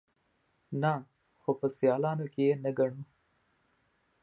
_نه، خو په سيالانو کې يې نه ګڼو.